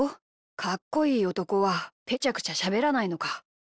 かっこいいおとこはぺちゃくちゃしゃべらないのか。